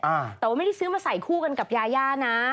อ่าแต่ว่าไม่ได้ซื้อมาใส่คู่กันกับยาย่านะ